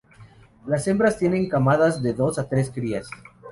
Las hembras tienen camadas de dos a tres crías.